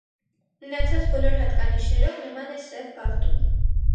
Մնացած բոլոր հատկանիշներով նման է սև բարդուն։